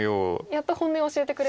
やっと本音を教えてくれた。